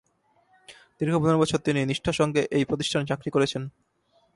দীর্ঘ পনের বছর তিনি নিষ্ঠার সঙ্গে এই প্রতিষ্ঠানে চাকরি করেছেন।